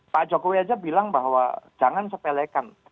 pak jokowi aja bilang bahwa jangan sepelekan